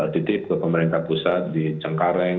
titip ke pemerintah pusat di cengkareng